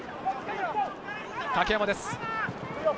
竹山です。